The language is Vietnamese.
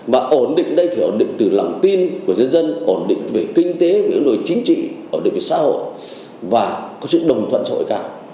và ổn định đây phải ổn định từ lòng tin của dân dân ổn định về kinh tế về ổn định về chính trị ổn định về xã hội và có sự đồng thuận xã hội cả